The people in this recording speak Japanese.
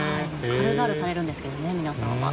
軽々されるんですけどね皆さんは。